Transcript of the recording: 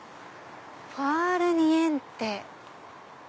ファールニエンテ」。